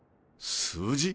数字？